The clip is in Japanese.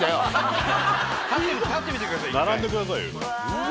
並んでください。